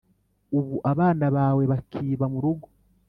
Ubu abana bawe bakiba mu rugo